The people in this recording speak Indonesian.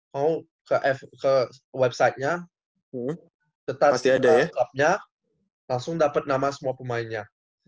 mau ke website nya tetap nama klubnya langsung dapat nama semua pemainnya